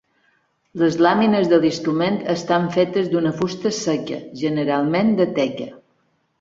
Les làmines de l'instrument estan fetes d'una fusta seca, generalment de teca.